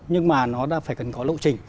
nhưng mà nó đã phải cần có lộ trình